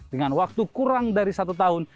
dengan waktu kurang dari satu tahun